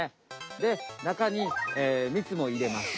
でなかにみつもいれます。